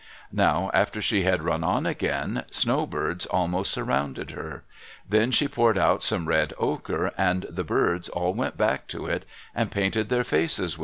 Now after she had run on again, snowbirds almost surrounded her. Then she poured out some red ochre and the birds all went back to it and painted their faces with it.